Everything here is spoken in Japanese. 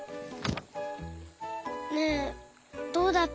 ねえどうだった？